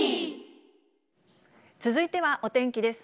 続いてはお天気です。